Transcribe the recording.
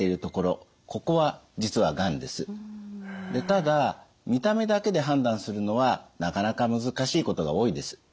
ただ見た目だけで判断するのはなかなか難しいことが多いです。